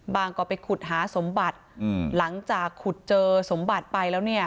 ก็ไปขุดหาสมบัติหลังจากขุดเจอสมบัติไปแล้วเนี่ย